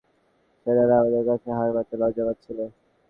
মজার ব্যাপার হচ্ছে পাকিস্তানি সেনারা আমাদের কাছে হার মানতে লজ্জা পাচ্ছিল।